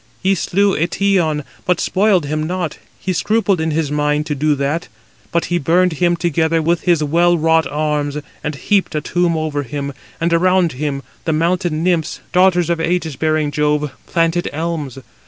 He slew Eetion, but spoiled him not, he scrupled in his mind [to do] that; but he burned him together with his well wrought arms, and heaped a tomb over him, and around [him] the mountain nymphs, daughters of ægis bearing Jove, planted elms.